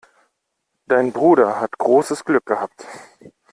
Dein Bruder hat großes Glück gehabt.